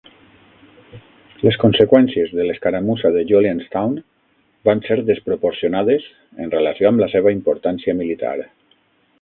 Les conseqüències de l'escaramussa de Julianstown van ser desproporcionades en relació amb la seva importància militar.